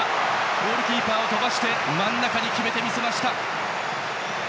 ゴールキーパーを飛ばして真ん中に決めてみせました。